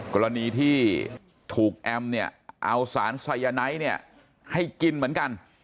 กรณีที่ถูกแอมเอาสารสัยน้อยให้กินเหมือนกัน